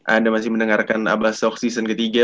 anda masih mendengarkan abasok season ketiga